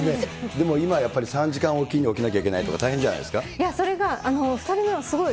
でも今やっぱり３時間置きに起きなきゃいけないとか、大変じゃないやそれが、２人目はすごい